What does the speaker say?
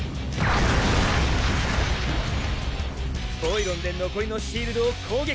ヴォイロンで残りのシールドを攻撃！